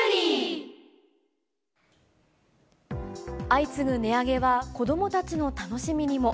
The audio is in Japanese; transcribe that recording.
相次ぐ値上げは、子どもたちの楽しみにも。